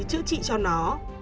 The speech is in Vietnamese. chữa trị cho nó